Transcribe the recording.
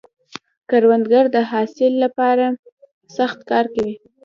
کروندګر د حاصل له پاره سخت کار کوي